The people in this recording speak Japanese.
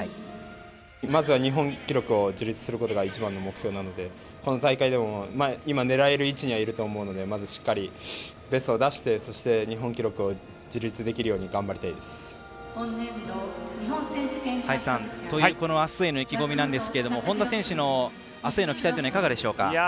まずは日本記録を樹立することが一番の目標なのでこの大会でも今、狙える位置にはいると思うのでまずしっかりベストを出してそして日本記録を樹立できるように頑張りたいです。という明日への意気込みなんですけど本多選手の明日への期待というのはいかがでしょうか？